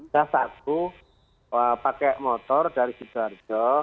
saya satu pakai motor dari sidoardo